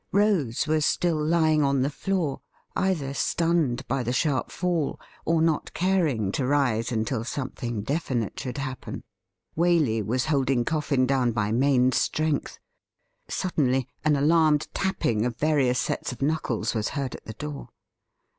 Rose was still lying on the floor, either stunned by the sharp fall, or not caring to rise until something definite should happen. Waley was holding CoiSn down by main strength. Suddenly an alarmed tapping of various sets of knuckles was heard at the door.